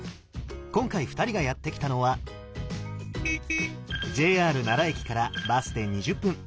今回二人がやって来たのはＪＲ奈良駅からバスで２０分。